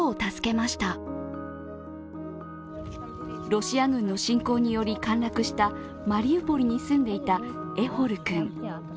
ロシア軍の侵攻により陥落したマリウポリに住んでいたエホル君。